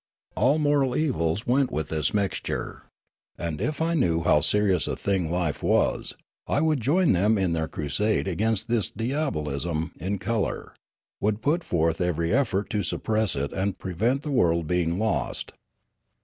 All moral evils went with this mixture. And if I knew how serious a thing life was, I would join them in their crusade against this diabolism in colour, would put forth every effort to suppress it and prevent the world being lost.